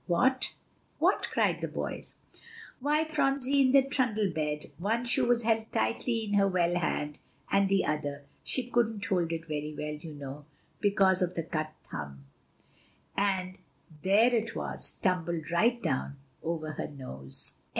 "What what?" cried the boys. "Why Phronsie in the trundle bed; one shoe was held tightly in her well hand, but the other, she couldn't hold it very well, you know, because of the cut thumb, and there it was, tumbled right down over her nose."